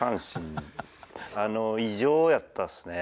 異常やったっすね。